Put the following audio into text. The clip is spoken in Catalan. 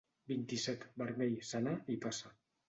Vint-i-set, vermell, senar i passa.